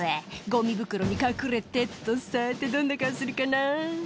「ゴミ袋に隠れてっとさてどんな顔するかな？」